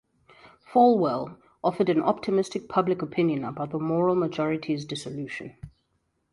Falwell offered an optimistic public opinion about the Moral Majority's dissolution.